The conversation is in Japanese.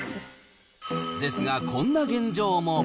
ですが、こんな現状も。